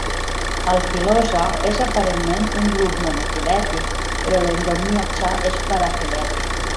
El filosa és aparentment un grup monofilètic, però l'endomyxa és parafilètic.